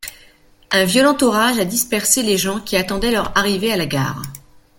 Un violent orage a dispersé les gens qui attendait leur arrivée à la gare.